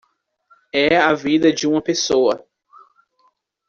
É a vida de uma pessoa